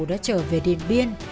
đã trở về điền biên